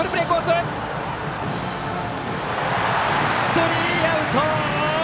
スリーアウト！